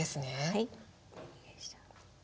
はい。